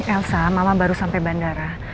elsa mama baru sampai bandara